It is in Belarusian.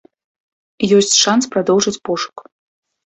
Ёсць шанс прадоўжыць пошук.